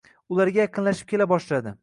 Ularga yaqinlashib kela boshladi.